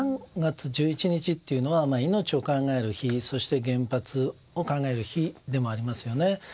３月１１日というのは命を考える日そして原発を考える日でもありますよね。